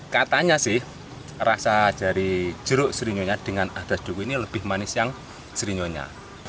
katanya sih rasa dari jeruk sernyonya dengan adas duwi ini lebih manis yang serinyonya